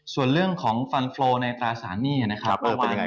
ส่วนเรื่องของฟันโฟล์ในตราสารหนี้นะครับ